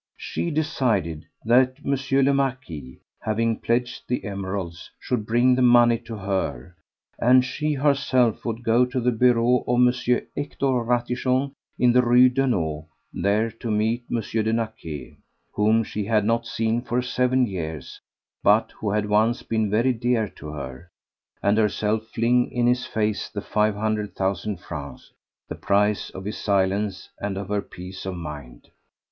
She decided that M. le Marquis, having pledged the emeralds, should bring the money to her, and she herself would go to the bureau of M. Hector Ratichon in the Rue Daunou, there to meet M. de Naquet, whom she had not seen for seven years, but who had once been very dear to her, and herself fling in his face the five hundred thousand francs, the price of his silence and of her peace of mind.